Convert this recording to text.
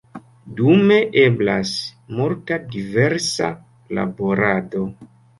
Dume eblas multa diversa laborado.